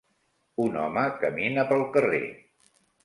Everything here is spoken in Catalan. Un home camina pel carrer.